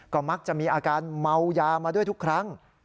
ก็มักจะมีอาการเมายามาด้วยทุกครั้ง